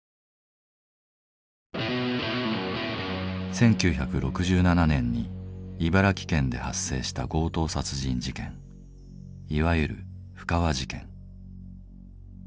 １９６７年に茨城県で発生した強盗殺人事件いわゆる布川事件。